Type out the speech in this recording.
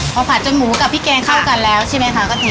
พอผัดจนหมูกับพริกแกงเข้ากันแล้วใช่ไหมคะกะทิ